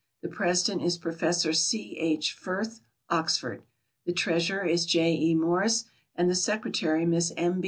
The president is Professor C. H. Firth, Oxford. The treasurer is J. E. Morris, and the secretary Miss M.